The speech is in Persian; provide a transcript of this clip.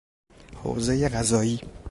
حوزهی قضایی